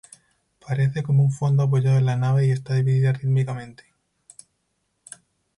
Parece como un fondo apoyado en la nave y está dividida rítmicamente.